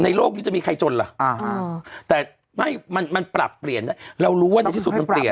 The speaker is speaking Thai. โลกนี้จะมีใครจนล่ะแต่ไม่มันปรับเปลี่ยนเรารู้ว่าในที่สุดมันเปลี่ยน